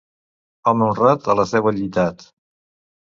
Home honrat, a les deu allitat.